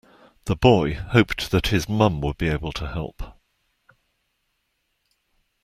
The boy hoped that his mum would be able to help